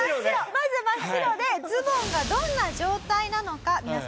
まず真っ白でズボンがどんな状態なのか皆さんご覧ください。